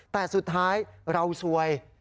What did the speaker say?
แต่สุดท้ายเราซวย